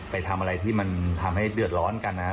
ไปทำอะไรที่มันทำให้เดือดร้อนกันนะครับ